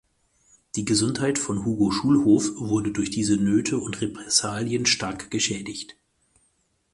Die Gesundheit von Hugo Schulhof wurde durch diese Nöte und Repressalien stark geschädigt.